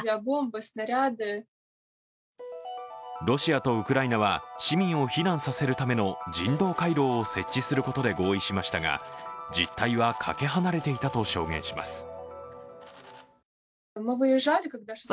ロシアとウクライナは市民を避難させるための人道回廊を設置することで合意しましたが実態はかけ離れていたと証言します。